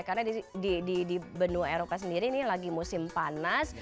karena di benua eropa sendiri ini lagi musim panas